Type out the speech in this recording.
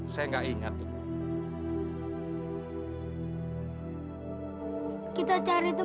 saya gak inget tuh